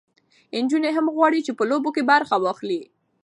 نجونې هم غواړي چې په لوبو کې برخه واخلي.